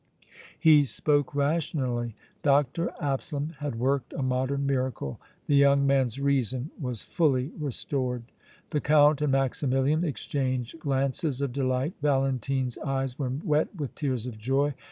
He spoke rationally. Dr. Absalom had worked a modern miracle the young man's reason was fully restored! The Count and Maximilian exchanged glances of delight. Valentine's eyes were wet with tears of joy.